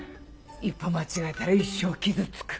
一歩間違えたら一生傷つく。